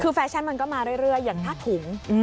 คือแฟชั่นมันก็มาเรื่อยอย่างผ้าถุง